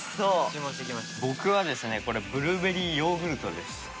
僕はですねこれブルーベリーヨーグルトです。